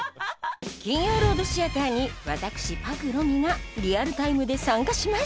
金曜ロードシアターに私朴美がリアルタイムで参加します